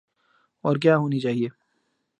اور کیا ہونی چاہیے۔